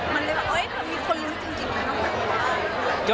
มันเลยแบบมีคนรุ้นจริงหรือเปล่าครับ